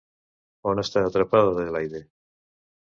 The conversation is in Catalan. On està atrapada Adelaide?